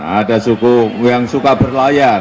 ada suku yang suka berlayar